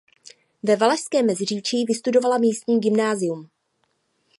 Ve Valašském Meziříčí vystudovala místní gymnázium.